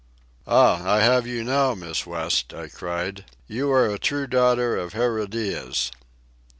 "Ah, I have you now, Miss West!" I cried. "You are a true daughter of Herodias."